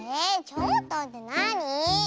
ちょっとってなに？